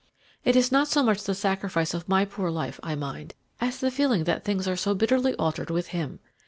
It is not so much the sacrifice of my poor life I mind as the feeling that things are so bitterly altered with him.